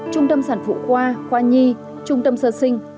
trung tâm sản phụ khoa khoa nhi trung tâm sơ sinh